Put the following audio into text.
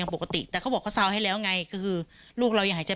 ปกติแต่เขาบอกเขาซาวให้แล้วไงก็คือลูกเรายังหายใจ